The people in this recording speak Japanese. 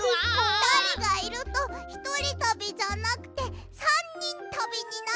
ふたりがいるとひとりたびじゃなくて３にんたびになっちゃう。